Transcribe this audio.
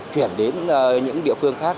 chuyển đến những địa phương khác